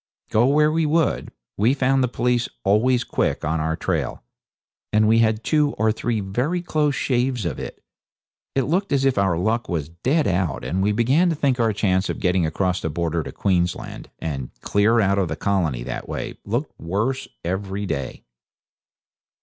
Go where we would, we found the police always quick on our trail, and we had two or three very close shaves of it. It looked as if our luck was dead out, and we began to think our chance of getting across the border to Queensland, and clear out of the colony that way, looked worse every day.